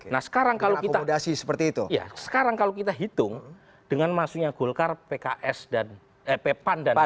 nah sekarang kalau kita hitung dengan masunya golkar pekan dan p tiga